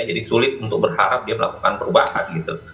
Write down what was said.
jadi sulit untuk berharap dia melakukan perubahan gitu